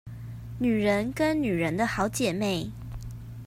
女人跟女人的好姐妹